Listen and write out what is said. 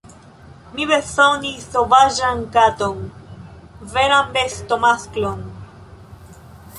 Mi bezonis sovaĝan katon, veran bestomasklon...